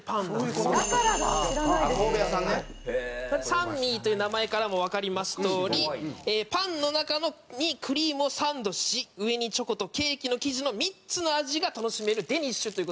「サンミー」という名前からもわかりますとおり「パンの中にクリームをサンドし上にチョコとケーキの生地の３つの味が楽しめるデニッシュ」という事なんですけど。